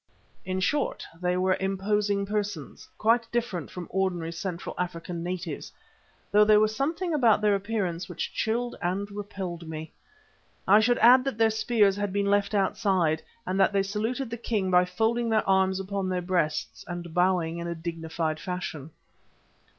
In short, they were imposing persons, quite different from ordinary Central African natives, though there was something about their appearance which chilled and repelled me. I should add that their spears had been left outside, and that they saluted the king by folding their arms upon their breasts and bowing in a dignified fashion.